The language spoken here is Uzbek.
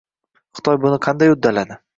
Xitoy buni qanday uddaladi?